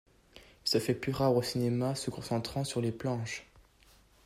Il se fait plus rare au cinéma, se concentrant sur les planches.